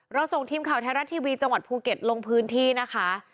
ส่งทีมข่าวไทยรัฐทีวีจังหวัดภูเก็ตลงพื้นที่นะคะ